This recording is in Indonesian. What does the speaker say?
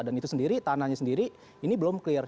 dan itu sendiri tanahnya sendiri ini belum clear